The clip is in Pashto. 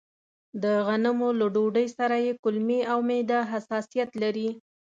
د غنمو له ډوډۍ سره يې کولمې او معده حساسيت لري.